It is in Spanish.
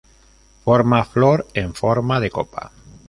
Forma flor en forma de copa.